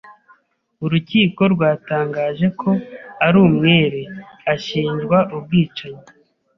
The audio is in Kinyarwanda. Urukiko rwatangaje ko ari umwere ashinjwa ubwicanyi.